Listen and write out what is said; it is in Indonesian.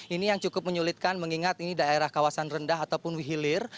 ini yang cukup menyulitkan mengingat ini daerah kawasan rendah ataupun hilir